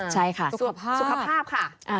สุขภาพค่ะ